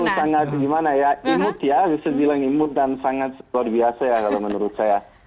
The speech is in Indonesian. itu sangat gimana ya imut ya bisa dibilang imut dan sangat luar biasa ya kalau menurut saya